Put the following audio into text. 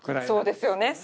そうですよね。